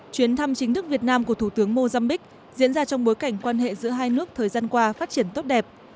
chuyến thăm chính thức việt nam của thủ tướng mozambiqu diễn ra trong bối cảnh quan hệ giữa hai nước thời gian qua phát triển tốt đẹp